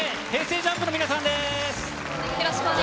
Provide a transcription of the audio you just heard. ＪＵＭＰの皆さんです。